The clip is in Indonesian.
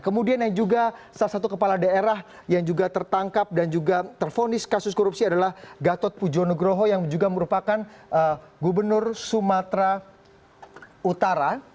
kemudian yang juga salah satu kepala daerah yang juga tertangkap dan juga terfonis kasus korupsi adalah gatot pujo nugroho yang juga merupakan gubernur sumatera utara